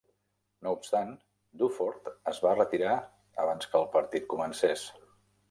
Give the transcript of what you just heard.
No obstant, Dufort es va retirar abans que el partit comencés.